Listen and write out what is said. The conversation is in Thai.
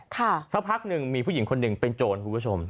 สักพักหนึ่งมีผู้หญิงคนหนึ่งเป็นโจรคุณผู้ชม